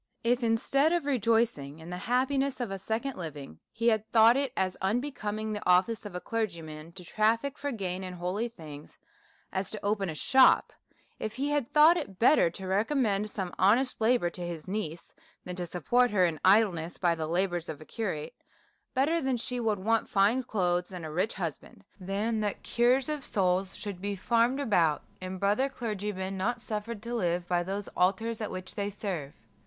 If, instead of rejoicini^ in the happiness of a second living", he had thought it as unbecoming the office of a clergyman to traffic for gain in holy things, as to open a shop : If lie had thought it better ta recommend some honest labour to his niece, than to support her in idle ness by the labours of a curate ; better that she should want fine clothes and a rich husband, than the cure of souls should be farmed about, and brother clergymen not suffered to live by those altars at which they serve.